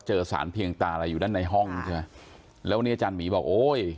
เจอสารเพียงตาอะไรอยู่ด้านในห้องใช่ไหมแล้วเนี้ยอาจารย์หมีบอกโอ้ย